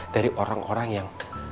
dari orang orang yang